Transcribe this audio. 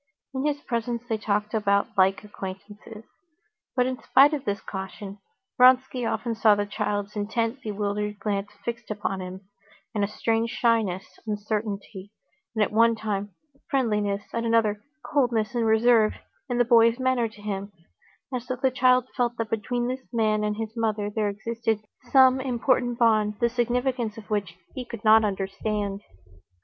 In his presence they talked like acquaintances. But in spite of this caution, Vronsky often saw the child's intent, bewildered glance fixed upon him, and a strange shyness, uncertainty, at one time friendliness, at another, coldness and reserve, in the boy's manner to him; as though the child felt that between this man and his mother there existed some important bond, the significance of which he could not understand.